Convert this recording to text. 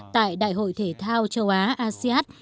tại đại hội thể thao châu á asiát